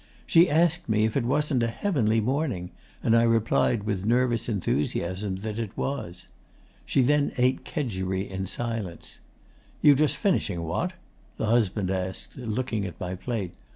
She asked me if it wasn't a heavenly morning, and I replied with nervous enthusiasm that it was. She then ate kedgeree in silence. "You just finishing, what?" the husband asked, looking at my plate.